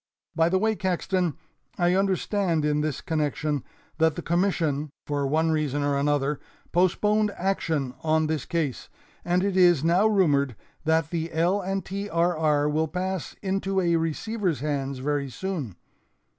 By the way, Caxton, I understand in this connection that the Commission, for one reason or another, postponed action on this case, and it is now rumored that the L. and T. R. R. will pass into a receiver's hands very soon.